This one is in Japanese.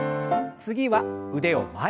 次は腕を前。